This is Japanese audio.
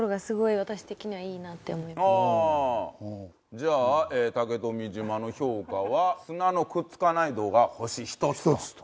じゃあ竹富島の評価は砂のくっつかない度が星１つという事ですね。